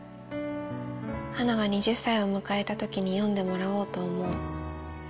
はなが２０歳を迎えたときに読んでもらおうと思う。